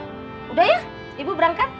sudah ya ibu berangkat